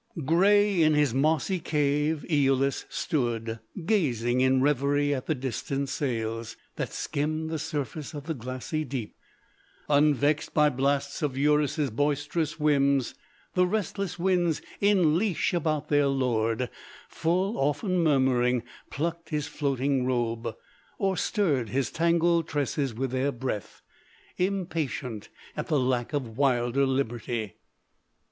"Gray in his mossy cave Æolus stood Gazing in reverie at the distant sails, That skimmed the surface of the glassy deep, Unvexed by blasts of Eurus' boisterous whims. The restless winds in leash about their lord Full often murmuring, plucked his floating robe, Or stirred his tangled tresses with their breath, Impatient at the lack of wilder liberty."